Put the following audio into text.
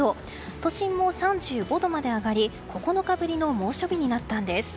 都心も３５度まで上がり９日ぶりの猛暑日になったんです。